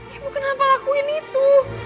ibu kenapa lakuin itu